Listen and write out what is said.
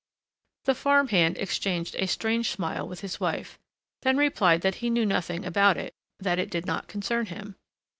The farm hand exchanged a strange smile with his wife, then replied that he knew nothing about it, that it did not concern him.